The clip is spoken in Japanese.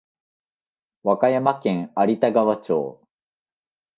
和歌山県有田川町